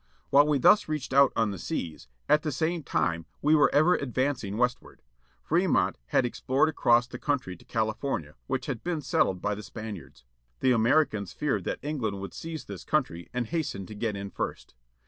While we thus reached out on the seas at the same time we were ever advancing westward. Fremont had explored across the country to California, which had been settled by the Spaniards. The Americans feared that England would seize this country, and hastened to get in first.